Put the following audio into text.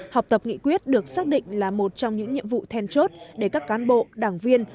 học tập nghị quyết được xác định là một trong những nhiệm vụ then chốt để các cán bộ đảng viên